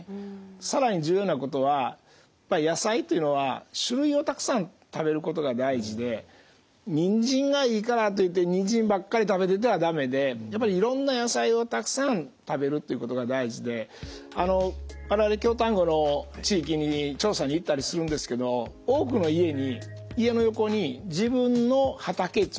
更に重要なことは野菜というのは種類をたくさん食べることが大事でにんじんがいいからといってにんじんばっかり食べてては駄目でいろんな野菜をたくさん食べるっていうことが大事で我々京丹後の地域に調査に行ったりするんですけど多くの家に家の横に自分の畑っちゅうのがあるんですね。